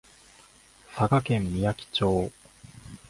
佐賀県みやき町